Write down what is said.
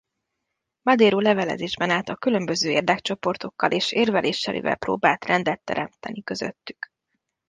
Madero levelezésben állt a különböző érdekcsoportokkal és érveléseivel próbált rendet teremteni közöttük.